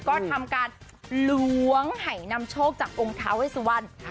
ก็ทำการล้วงไห่นำโชคจากองค์ท้าเวสุวรรณ